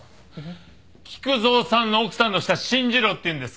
菊蔵さんの奥さんの舌信じろっていうんですか？